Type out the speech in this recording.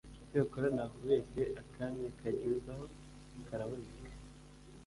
cyokora ntakubeshye akanya kagezaho karaboneka